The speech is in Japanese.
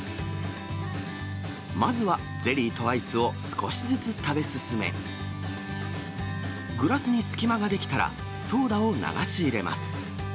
まずはゼリーとアイスを少しずつ食べ進め、グラスに隙間が出来たら、ソーダを流し入れます。